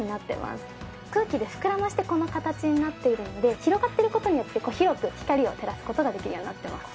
空気で膨らましてこの形になっているので広がっている事によってこう広く光を照らす事ができるようになってます。